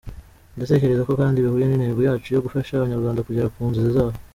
Ndatekereza ko kandi bihuye n’intego yacu yo gufasha abanyarwanda kugera ku nzozi zabo.